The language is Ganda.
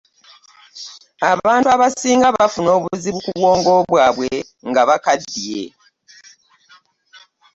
Abantu abasinga bafuna obuzibu ku bwongo bwaabwe nga bakadiye.